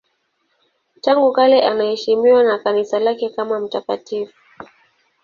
Tangu kale anaheshimiwa na Kanisa lake kama mtakatifu.